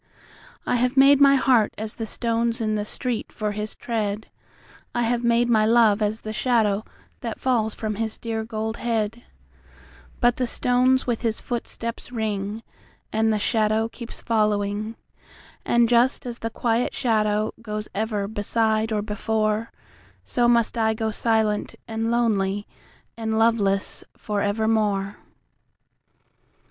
I have made my heart as the stones in the street for his tread,I have made my love as the shadow that falls from his dear gold head, But the stones with his footsteps ring, And the shadow keeps following, And just as the quiet shadow goes ever beside or before, So must I go silent and lonely and loveless for evermore.